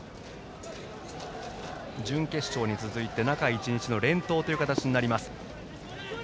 準決勝に続いて中１日の連投となります。